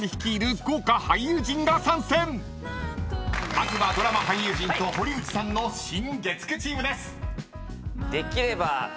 ［まずはドラマ俳優陣と堀内さんの新月９チームです］